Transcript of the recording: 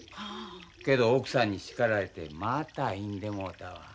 けど奥さんに叱られてまたいんでもうたわ。